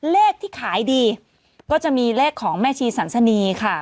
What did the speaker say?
เลขที่ขายดีก็จะมีเลขของแม่ชีสันสนีค่ะ